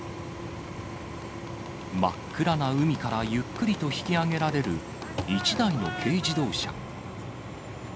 真っ暗な海からゆっくりと引き揚げられる１台の軽自動車。